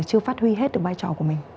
chưa phát huy hết được vai trò của mình